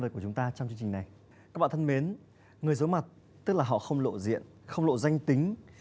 xin chào các bạn thân mến người giống mặt tức là họ không lộ diện không lộ danh tính